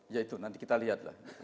ya itu nanti kita lihat lah